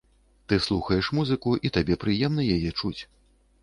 Ты слухаеш музыку, і табе прыемна яе чуць.